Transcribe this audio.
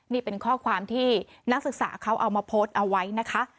นี่เป็นข้อความที่นักศึกษาเขาเอามาโพสต์เอาไว้นะคะ